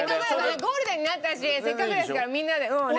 ゴールデンになったしせっかくですからみんなで。